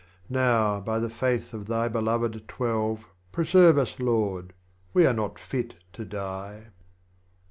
Now by the Faith of Thy Beloved Twelve, Preserve us Lord â€" we are not fit to die.